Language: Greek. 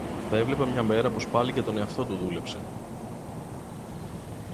θα έβλεπε μια μέρα πως πάλι για τον εαυτό του δούλεψε